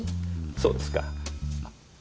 そうですか。